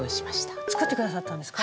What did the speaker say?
作ってくださったんですか？